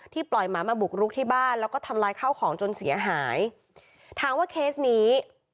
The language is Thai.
ปล่อยหมามาบุกรุกที่บ้านแล้วก็ทำลายข้าวของจนเสียหายถามว่าเคสนี้